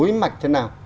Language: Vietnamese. mối mạch thế nào